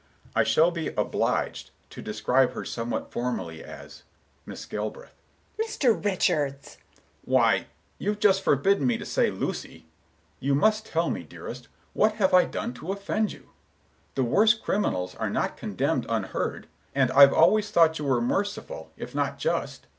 "I shall be obliged to describe her somewhat formally as—Miss Galbraith." Miss Galbraith: "Mr. Richards!" Mr. Richards: "Why, you've just forbidden me to say Lucy! You must tell me, dearest, what I have done to offend you. The worst criminals are not condemned unheard, and I've always thought you were merciful if not just.